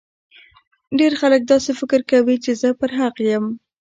ډیر خلګ داسي فکر کوي چي زه پر حق یم